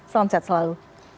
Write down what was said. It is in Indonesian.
selamat siang selalu